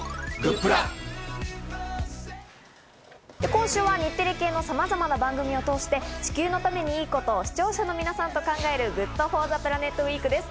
今週は日テレ系のさまざまな番組を通して、地球のためにいいことを視聴者の皆さんと考えるＧｏｏｄＦｏｒｔｈｅＰｌａｎｅｔウイークです。